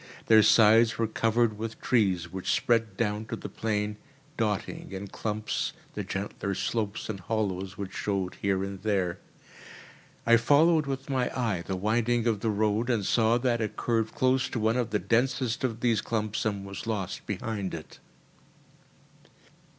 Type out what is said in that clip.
Their sides were covered with trees which spread down to the plain, dotting, in clumps, the gentler slopes and hollows which showed here and there. I followed with my eye the winding of the road, and saw that it curved close to one of the densest of these clumps and was lost behind it.